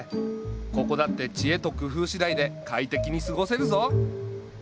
ここだって知恵と工夫しだいで快適に過ごせるぞ。